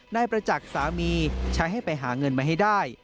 นายประจักษ์สามีใช้ให้ไปหาเงินมาให้ได้